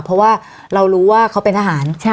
เพราะว่าเรารู้ว่าเขาเป็นทหาร